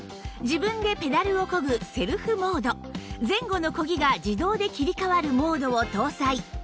自分でペダルを漕ぐセルフモード前後の漕ぎが自動で切り替わるモードを搭載